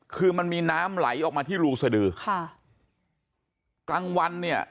คือมันมีน้ำไหลออกมาที่รูสดือค่ะกลางวันเนี่ย